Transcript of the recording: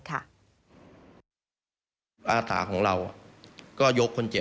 ฟังเสียงอาสามูลละนิทีสยามร่วมใจ